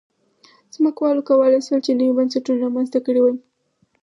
ځمکوالو کولای شول چې نوي بنسټونه رامنځته کړي وای.